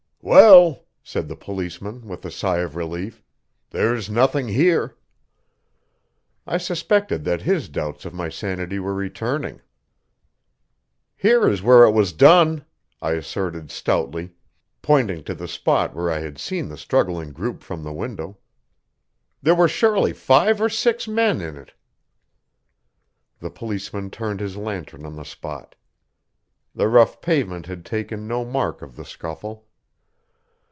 "Well," said the policeman, with a sigh of relief, "there's nothing here." I suspected that his doubts of my sanity were returning. "Here is where it was done," I asserted stoutly, pointing to the spot where I had seen the struggling group from the window. "There were surely five or six men in it." The policeman turned his lantern on the spot. The rough pavement had taken no mark of the scuffle.